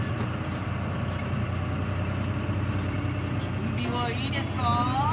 じゅんびはいいですか？